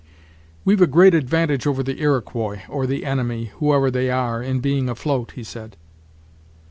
"We've a great advantage over the Iroquois, or the enemy, whoever they are, in being afloat," he said.